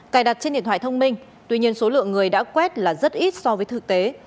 cài đặt trên điện thoại thông minh tuy nhiên số lượng người đã quét là rất ít so với thực tế